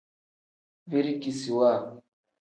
Birikisiwa.